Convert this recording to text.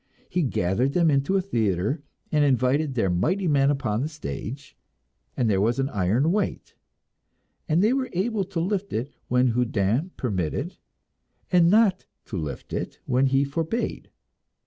He gathered them into a theatre, and invited their mighty men upon the stage, and there was an iron weight, and they were able to lift it when Houdin permitted, and not to lift it when he forbade.